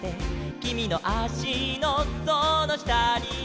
「きみのあしのそのしたには」